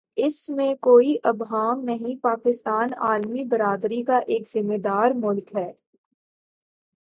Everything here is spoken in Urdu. اس میں کوئی ابہام نہیں پاکستان عالمی برادری کا ایک ذمہ دارملک ہے۔